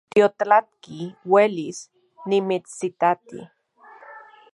Tiotlatki uelis nimitsitati